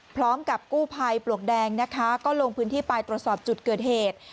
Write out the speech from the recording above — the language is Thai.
พร้อมกับกู้ภัยปลวกแดงนะคะก็ลงพื้นที่ไปตรวจสอบจุดเกิดเหตุ